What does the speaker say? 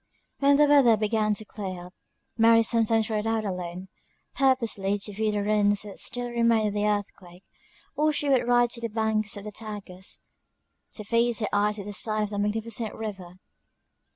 When the weather began to clear up, Mary sometimes rode out alone, purposely to view the ruins that still remained of the earthquake: or she would ride to the banks of the Tagus, to feast her eyes with the sight of that magnificent river.